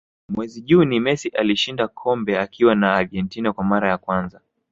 mwezi juni messi alishinda kombe akiwa na argentina kwa mara ya kwanza